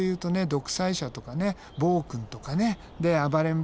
独裁者とかね暴君とかねで暴れん坊みたいなね